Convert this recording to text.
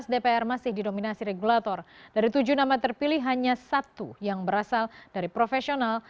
dari dari ujk yang berasal dari profesional